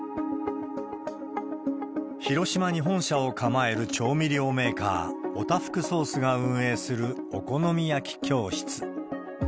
広島に本社を構える調味料メーカー、オタフクソースが運営するお好み焼き教室。